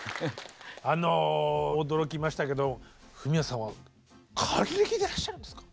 あの驚きましたけどフミヤさんは還暦でいらっしゃるんですか？